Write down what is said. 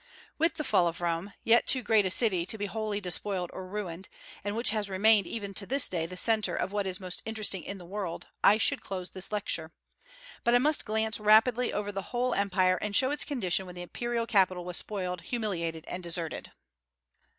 With the fall of Rome, yet too great a city to be wholly despoiled or ruined, and which has remained even to this day the centre of what is most interesting in the world, I should close this Lecture; but I must glance rapidly over the whole Empire, and show its condition when the imperial capital was spoiled, humiliated, and deserted.